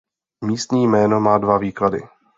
Místní jméno má dva výklady.